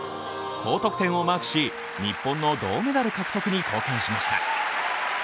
高得点をマークし、日本の銅メダル獲得に貢献しました。